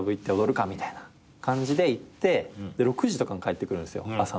みたいな感じで行って６時とかに帰ってくるんです朝の。